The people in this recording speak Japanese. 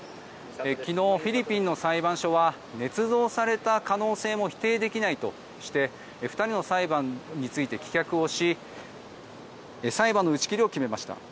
昨日、フィリピンの裁判所はねつ造された可能性も否定できないとして２人の裁判について棄却をし裁判の打ち切りを決めました。